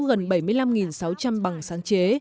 gần bảy mươi năm sáu trăm linh bằng sáng chế